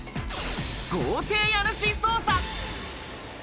豪邸家主捜査。